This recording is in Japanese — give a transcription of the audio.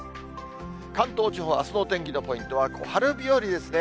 関東地方、あすのお天気のポイントは小春日和ですね。